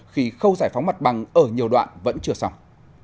khi khâu giải phóng mặt bằng ở nhiều đoạn vẫn chưa xong